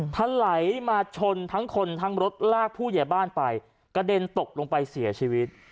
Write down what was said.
ถลายมาชนทั้งคนทั้งรถลากผู้ใหญ่บ้านไปกระเด็นตกลงไปเสียชีวิต